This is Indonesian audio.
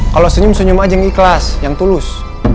kalau senyum senyum aja yang ikhlas yang tulus